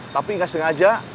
tapi gak sengaja